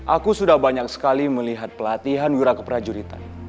aku sudah banyak sekali melihat pelatihan wira keprajuritan